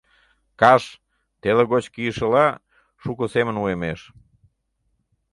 Каш, теле гоч кийышыла, шуко семын уэмеш.